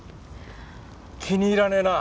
気に入らねえな。